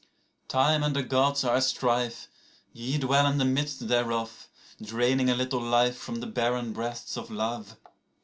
19Time and the Gods are at strife; ye dwell in the midst thereof,20Draining a little life from the barren breasts of love.